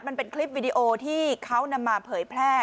มันเป็นคลิปวิดีโอที่เขานำมาเผยแพร่